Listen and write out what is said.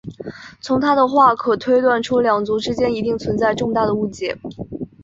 从她的话可推测出两族之间一定存在重大的误解。